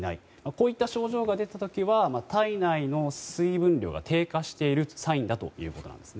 こういった症状が出た時は体内の水分量が低下しているサインだということなんです。